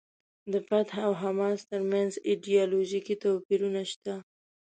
د فتح او حماس ترمنځ ایډیالوژیکي توپیرونه شته.